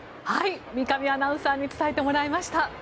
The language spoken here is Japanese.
三上アナウンサーに伝えてもらいました。